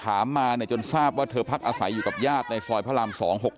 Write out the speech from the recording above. ถามมาจนทราบว่าเธอพักอาศัยอยู่กับญาติในซอยพระราม๒๖๖